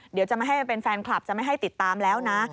เดี๋ยวจะไม่ให้เป็นแฟนคลับจะไม่ให้ติดตามแล้วนะ